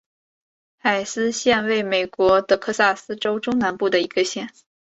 海斯县位美国德克萨斯州中南部的一个县。